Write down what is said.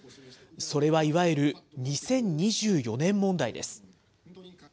それはいわゆる２０２４年問題です。